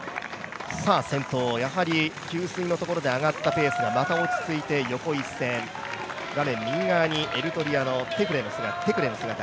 先頭、やはり給水のところで上がったペースがまた落ち着いて横一線、画面右側にエリトリアのテクレの姿。